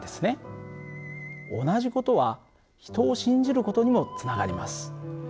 同じ事は人を信じる事にもつながります。